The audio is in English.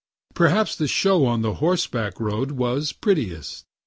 Perhaps the show on the horseback road was prettiest.